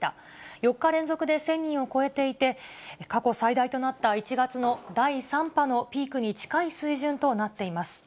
４日連続で１０００人を超えていて、過去最大となった１月の第３波のピークに近い水準となっています。